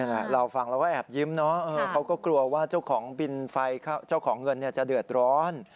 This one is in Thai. นี่แหละเราฟังแล้วก็แอบยิ้มนะเค้าก็กลัวว่าเจ้าของเงินจะเดือดร้อน